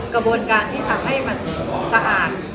กระบวนการที่ทำให้มันสะอาด